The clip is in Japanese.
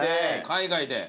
海外で。